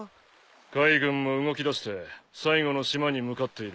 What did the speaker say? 海軍も動きだして最後の島に向かっている。